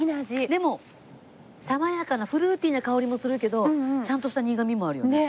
でも爽やかなフルーティーな香りもするけどちゃんとした苦みもあるよね。